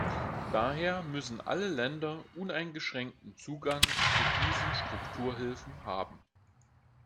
Daher müssen alle Länder uneingeschränkten Zugang zu diesen Strukturbeihilfen haben.